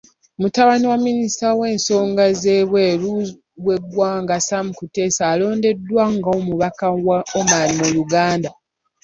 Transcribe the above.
Mutabani wa Minisita w'ensonga z'ebweru w'eggwanga, Sam Kuteesa alondeddwa ng'omubaka wa Oman mu Uganda.